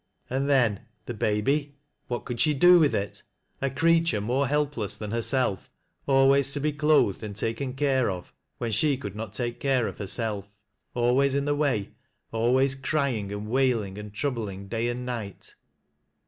And then, the baby ? What could she do with it ?— a creature more helpless than hei self, always to be clothed and taken care of, when she could not take care of herself, always in the way, always crying and wailing and troubling day and night.